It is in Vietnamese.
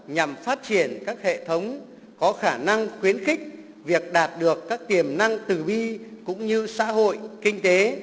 nhằm phát triển các hệ thống có khả năng khuyến khích việc đạt được các tiềm năng từ bi cũng như xã hội kinh tế